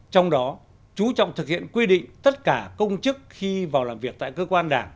trong đó chú trọng thực hiện quy định tất cả công chức khi vào làm việc tại cơ quan đảng